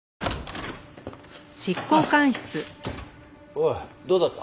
おいどうだった？